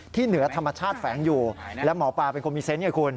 เหนือธรรมชาติแฝงอยู่แล้วหมอปลาเป็นคนมีเซนต์ไงคุณ